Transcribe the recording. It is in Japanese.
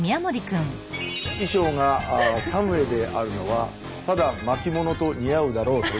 衣装が作務衣であるのはまだ巻物と似合うだろうということで。